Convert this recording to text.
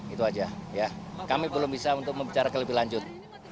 itu aja ya kami belum bisa untuk membicarakan lebih lanjut